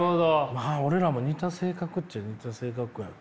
まあ俺らも似た性格っちゃ似た性格やから。